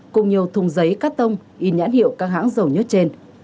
cùng nhiều thùng giấy cắt tông in nhãn hiệu các hãng dầu nhất trên